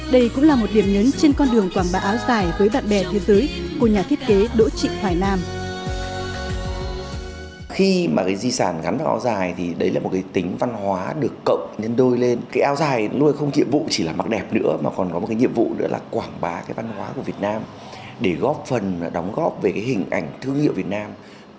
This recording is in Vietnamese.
đây cũng là một điểm nhấn trên con đường quảng bá áo dài với bạn bè thế giới của nhà thiết kế đỗ trị hoài nam